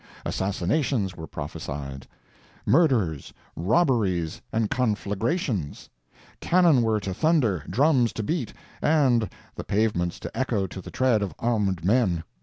Assassinations were prophesied; murders, robberies, and conflagrations; cannon were to thunder, drums to beat, and the pavements to echo to the tread of armed men!